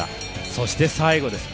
そして最後です。